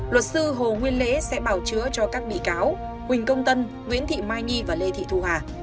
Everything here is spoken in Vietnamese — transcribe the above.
luật sư hồ nguyên lễ sẽ bảo chữa cho các bị cáo huỳnh công tân nguyễn thị mai nhi và lê thị thu hà